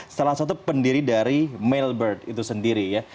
salah satu pendiri dari mailbird itu sendiri ya